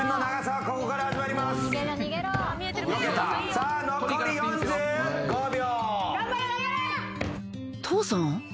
さあ残り４５秒。